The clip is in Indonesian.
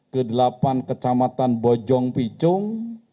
kedelapan kecamatan bojongpicung